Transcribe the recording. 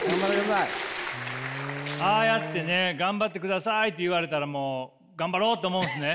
ああやってね「頑張ってください」って言われたらもう頑張ろうって思うんすね？